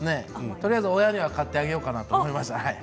とりあえず親には買ってあげようかなと思いました。